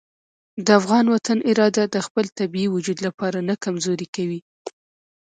د افغان وطن اراده د خپل طبیعي وجود لپاره نه کمزورې کوي.